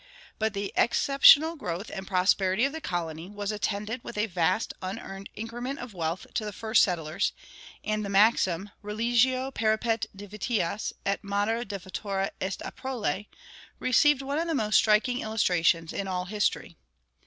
But the exceptional growth and prosperity of the colony was attended with a vast "unearned increment" of wealth to the first settlers, and the maxim, "Religio peperit divitias, et mater devorata est a prole,"[143:2] received one of the most striking illustrations in all history.